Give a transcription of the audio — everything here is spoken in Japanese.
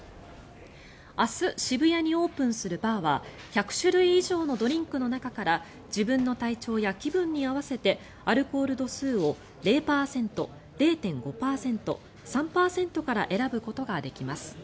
明日渋谷にオープンするバーは１００種類以上のドリンクの中から自分の体調や気分に合わせてアルコール度数を０％、０．５％、３％から選ぶことができます。